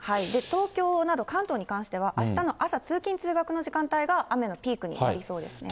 東京など関東に関しては、あしたの朝、通勤・通学の時間帯が雨のピークになりそうですね。